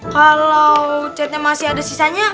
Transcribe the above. kalo catnya masih ada sisanya